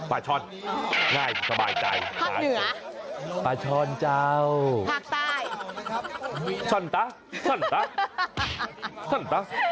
ปาชอนง่ายสบายใจภาคเหนือปาชอนเจ้าภาคใต้ชอนตะชอนตะชอนตะ